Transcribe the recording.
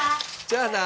じゃあな。